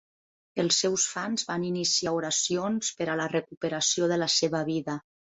Els seus fans van iniciar oracions per a la recuperació de la seva vida.